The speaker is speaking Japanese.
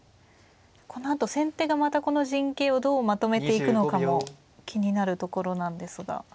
このあと先手がまたこの陣形をどうまとめていくのかも気になるところなんですが。